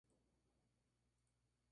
Su equivalencia es el cuerpo del vestido.